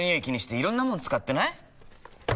気にしていろんなもの使ってない？